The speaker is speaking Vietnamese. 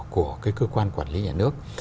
của cơ quan quản lý nhà nước